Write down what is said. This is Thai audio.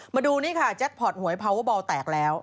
มาดูนี่ค่ะแจ็คพอร์ตหวยพาวเวอร์บอลแตกแล้ว